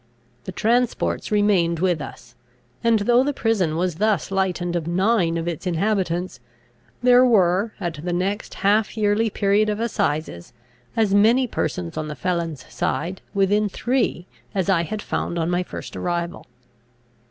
The transports remained with us; and, though the prison was thus lightened of nine of its inhabitants, there were, at the next half yearly period of assizes, as many persons on the felons' side, within three, as I had found on my first arrival.